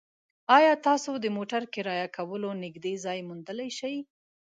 ایا تاسو د موټر کرایه کولو نږدې ځای موندلی شئ؟